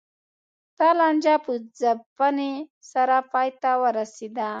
دا لانجه په ځپنې سره پای ته ورسېده.